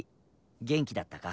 元気だったか？